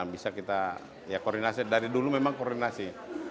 bisa kita ya koordinasi dari dulu memang koordinasi